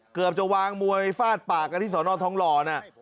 เกือบจะวางมวยฟาดปากกันที่สอนอทองหล่อนะ